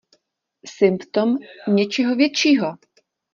Symptom něčeho většího!